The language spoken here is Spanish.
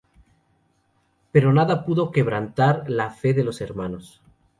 Pero nada pudo quebrantar la fe de los hermanos.